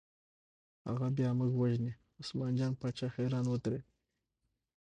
هغه بیا موږ وژني، عثمان جان باچا حیران ودرېد.